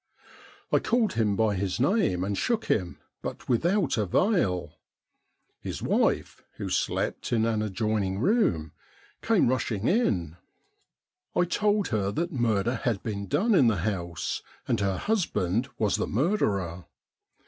I called him by his name and shook him, but without avail. His wife, who slept in an adjoining 9o STORIES WEIRD AND WONDERFUL room, came rushing in. I told her that murder had been done in the house, and her husband was the murderer.